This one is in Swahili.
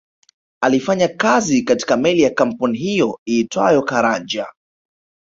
Alifanya kazi katika meli ya kampuni hiyo iitwayo Caranja